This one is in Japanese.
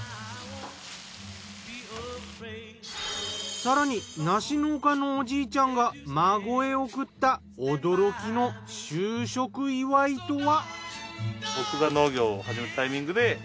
更に梨農家のおじいちゃんが孫へ贈った驚きの就職祝いとは？